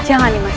jangan nih mas